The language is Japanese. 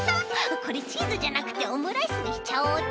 これチーズじゃなくてオムライスにしちゃおうっと！